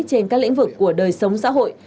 trên các lĩnh vực của đời sống xã hội